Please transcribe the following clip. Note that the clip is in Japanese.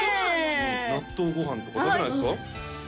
納豆ご飯とか食べないですか？